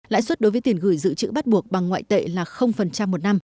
lãi suất đối với tiền gửi dự trữ bắt buộc bằng ngoại tệ là một năm